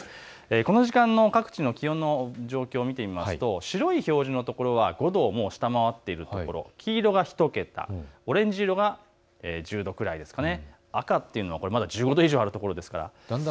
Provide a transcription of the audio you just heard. この時間の各地の気温の状況を見てみますと白い表示の所は５度を下回っている所、オレンジ色が１０度くらい赤というところは１５度以上あります。